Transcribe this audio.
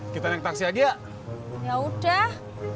kita naik taksi aja ya udah